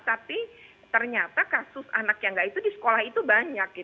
tapi ternyata kasus anak yang gak itu di sekolah itu banyak